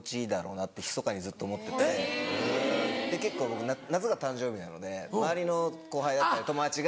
僕夏が誕生日なので周りの後輩だったり友達が。